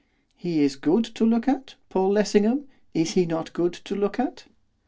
'He is good to look at, Paul Lessingham, is he not good to look at?